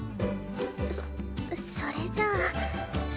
そそれじゃあ。